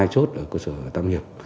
hai chốt ở cơ sở tâm hiệp